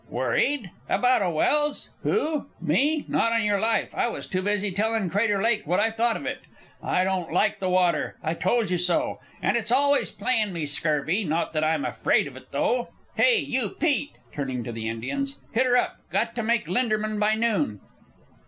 "Worried? About a Welse? Who? Me? Not on your life. I was too busy tellin' Crater Lake what I thought of it. I don't like the water. I told you so. And it's always playin' me scurvy not that I'm afraid of it, though." "Hey, you Pete!" turning to the Indians. "Hit 'er up! Got to make Linderman by noon!"